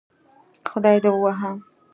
خدای دې ووهه